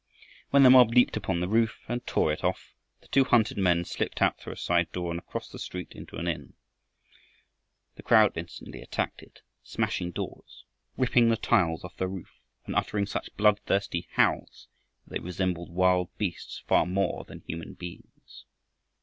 When the mob leaped upon the roof and tore it off, the two hunted men slipped out through a side door, and across the street into an inn. The crowd instantly attacked it, smashing doors, ripping the tiles off the roof, and uttering such bloodthirsty howls that they resembled wild beasts far more than human beings.